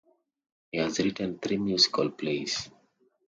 He has written three musical plays.